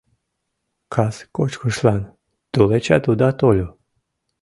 Кас кочкышлан тулечат уда тольо.